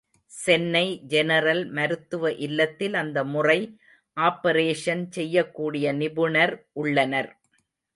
Chennai general மருத்துவ இல்லத்தில் அந்த முறை ஆப்பரேஷன் செய்யக் கூடிய நிபுணர் உள்ளனர்.